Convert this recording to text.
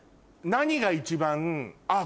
何が一番あっ